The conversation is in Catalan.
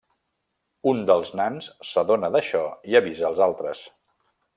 Un dels nans s'adona d'això i avisa els altres.